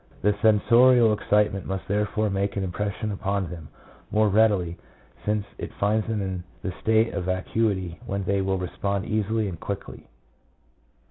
3 The sensorial excitement must therefore make an impression upon them more readily, since it finds them in the state of vacuity when they will respond easily and quickly.